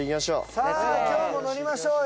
さあ今日も乗りましょうよ。